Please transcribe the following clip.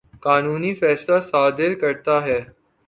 قانونی فیصلہ صادر کرتا ہے